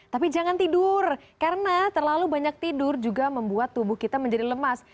tapi jangan tidur karena terlalu banyak tidur juga membuat tubuh kita menjadi lemas